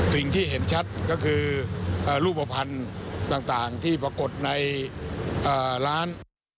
สิ่งที่เห็นชัดก็คือรูปภัณฑ์ต่างที่ปรากฏในร้าน